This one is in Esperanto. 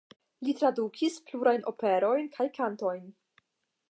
Li tradukis plurajn operojn kaj kantojn.